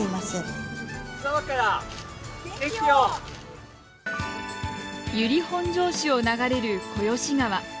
由利本荘市を流れる子吉川。